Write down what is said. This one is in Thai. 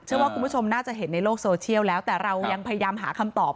ว่าคุณผู้ชมน่าจะเห็นในโลกโซเชียลแล้วแต่เรายังพยายามหาคำตอบ